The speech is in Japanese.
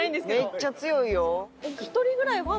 めっちゃ強いよ。